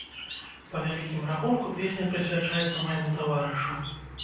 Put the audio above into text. Па вялікім рахунку, песня прысвячаецца майму таварышу.